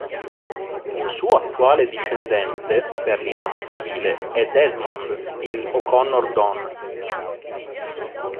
Un suo attuale discendente per linea maschile è Desmond, il O Connor Donn.